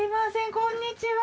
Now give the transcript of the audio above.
こんにちは。